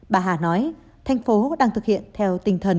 bà hà nói thành phố đang thực hiện theo tinh thần